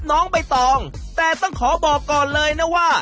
น้องใบตองแต่ต้องขอบอกก่อนเลยนะว่า